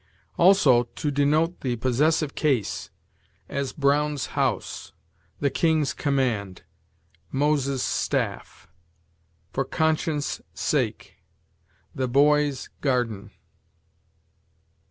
Also to denote the possessive case; as, Brown's house; the king's command; Moses' staff; for conscience' sake; the boys' garden.